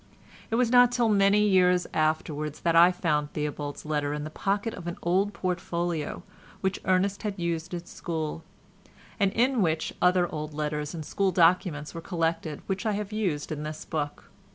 It was not till many years afterwards that I found Theobald's letter in the pocket of an old portfolio which Ernest had used at school, and in which other old letters and school documents were collected which I have used in this book.